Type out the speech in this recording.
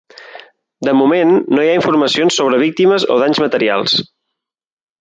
De moment no hi ha informacions sobre víctimes o danys materials.